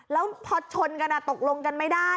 แล้วพอชนกันอ่ะตกลงมากไม่ได้